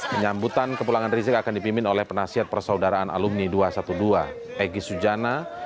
penyambutan kepulangan rizik akan dipimpin oleh penasihat persaudaraan alumni dua ratus dua belas egy sujana